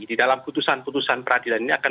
di dalam putusan putusan peradilan ini akan